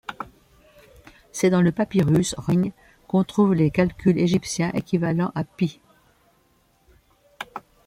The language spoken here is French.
C'est dans le papyrus Rhind qu'on trouve des calculs égyptiens équivalents à Pi.